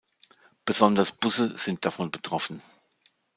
Besonders Busse sind davon betroffen.